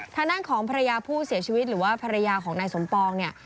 ทางด้านของภรรยาผู้เสียชีวิตหรือว่าภรรยาของนายสมปองเนี่ย